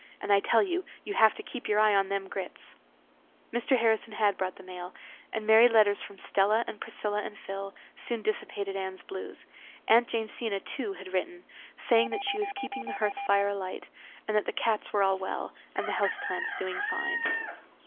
And I tell you, you have to keep your eye on them Grits." Mr. Harrison had brought the mail, and merry letters from Stella and Priscilla and Phil soon dissipated Anne's blues. Aunt Jamesina, too, had written, saying that she was keeping the hearth fire alight, and that the cats were all well, and the house plants doing fine.